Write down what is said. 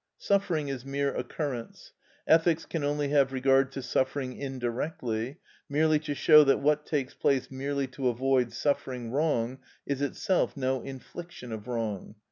Suffering is mere occurrence. Ethics can only have regard to suffering indirectly, merely to show that what takes place merely to avoid suffering wrong is itself no infliction of wrong.